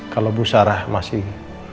kalau bu sarah masih